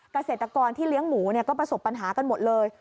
เกษตรกรที่เลี้ยงหมูก็ประสบปัญหากันหมดเลย